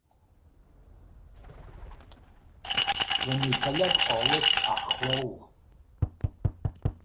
rinneadh bileog eolais a chló